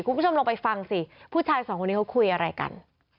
คุณผู้ชมลองไปฟังสิผู้ชายสองคนนี้เขาคุยอะไรกัน